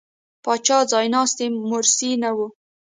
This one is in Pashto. پاچا ځایناستی مورثي نه و.